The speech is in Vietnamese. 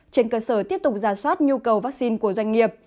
trên cơ sở tiếp tục ra soát nhu cầu vaccine của doanh nghiệp